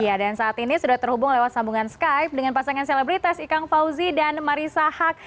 ya dan saat ini sudah terhubung lewat sambungan skype dengan pasangan selebritas ikang fauzi dan marissa haq